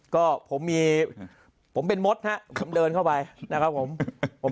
ก็ผมมีผมเป็นมดฮะผมเดินเข้าไปนะครับผมผม